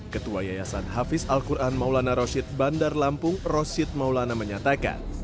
ketua yayasan hafiz al quran maulana roshid bandar lampung rosyid maulana menyatakan